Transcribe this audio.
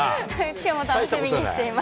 きょうも楽しみにしています。